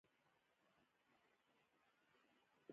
چي هر مسم ستا په څنګ کي يم